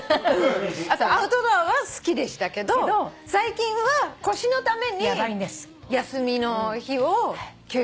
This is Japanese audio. あとアウトドアは好きでしたけど最近は腰のために休みの日を休養に充ててるっていうね。